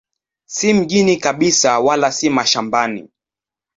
Si mjini kabisa wala si mashambani.